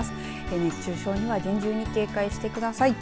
熱中症には厳重に警戒してください。